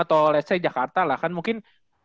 atau let s say jakarta lah kan mungkin